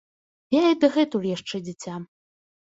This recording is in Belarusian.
Я і дагэтуль яшчэ дзіця.